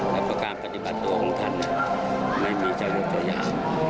และกับการปฏิบัติโอ้งท่านไม่มีเจ้าหุ่นโจยา